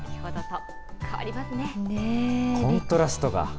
コントラストが。